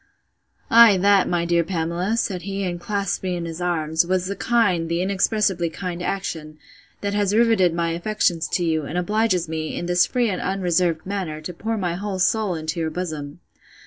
Ay, that, my dear Pamela, said he, and clasped me in his arms, was the kind, the inexpressibly kind action, that has rivetted my affections to you, and obliges me, in this free and unreserved manner, to pour my whole soul into your bosom.